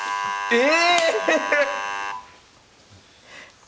ええ。